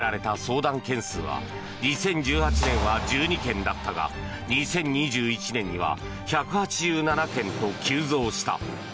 国民生活センターに寄せられた相談件数は２０１８年は１２件だったが２０２１年には１８７件と急増した。